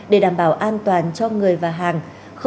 để đảm bảo an toàn cho người và hàng